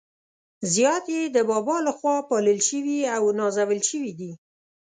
زیات يې د بابا له خوا پالل شوي او نازول شوي دي.